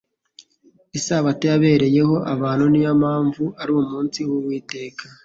Isabato yabereyeho abantu, niyo mpamvu ari umunsi w'Uwiteka.